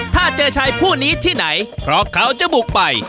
ถ้าเจอชายผู้นี้ที่ไหนเพราะเขาจะบุกไป